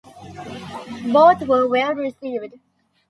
Both were well received.